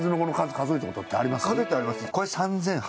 数えたことあります。